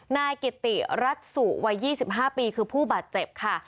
นายกิติรัฐสุวัย๒๕ปีคือผู้บาดเจ็บค่ะ